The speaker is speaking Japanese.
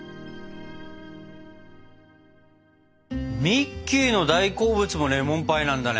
ミッキーの大好物もレモンパイなんだね。